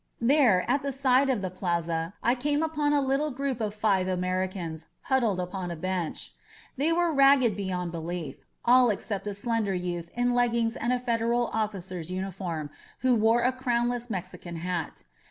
There, at the side of the plaza, I came upon a little group of five Americans huddled upon a bench. They were ragged beyond belief, all except a slender youth in leggings and a Federal officer's uniform, who wore a crownless Mexican hat.